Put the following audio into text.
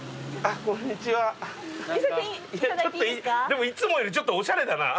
でもいつもよりちょっとおしゃれだな。